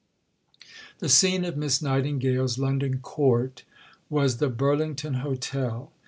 The scene of Miss Nightingale's London "court" was the Burlington Hotel.